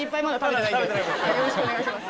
よろしくお願いします。